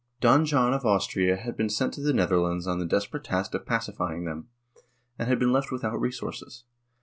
Don John of Austria had been sent to the Netherlands on the desperate task of pacifying them, and had been left without resources.